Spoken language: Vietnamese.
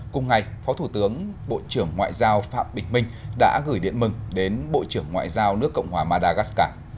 cùng ngày phó thủ tướng bộ trưởng ngoại giao phạm bình minh đã gửi điện mừng đến bộ trưởng ngoại giao nước cộng hòa madagascar